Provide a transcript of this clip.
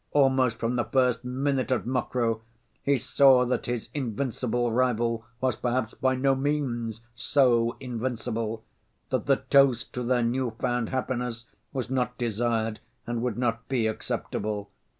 Almost from the first minute at Mokroe he saw that his invincible rival was perhaps by no means so invincible, that the toast to their new‐found happiness was not desired and would not be acceptable.